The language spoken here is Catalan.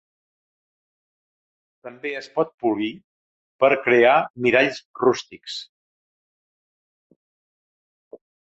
També es pot polir per a crear miralls rústics.